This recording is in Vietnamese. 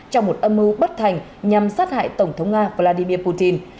trong một âm mưu bất thành nhằm sát hại tổng thống nga vladimir putin